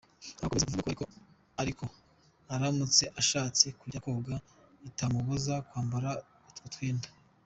Akomeza avuga ariko aramutse ashatse kujya koga bitamubuza kwambara utwo twenda.